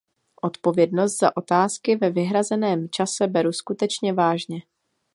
Odpovědnost za otázky ve vyhrazeném čase beru skutečně vážně.